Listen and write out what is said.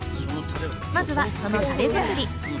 まずはそのタレ作り。